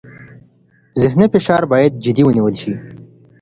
ذهني فشار باید جدي ونیول شي.